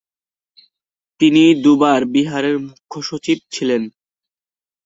তিনি দুবার বিহারের মুখ্য সচিব ছিলেন।